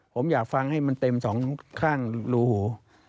ผมอยากฟังให้มันเต็มสองข้างรูหู